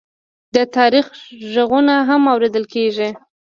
د تاریخ غږونه هم اورېدل کېږي.